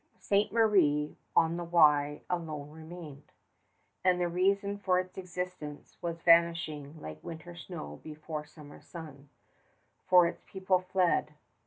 Ste. Marie on the Wye alone remained, and the reason for its existence was vanishing like winter snow before summer sun, for its people fled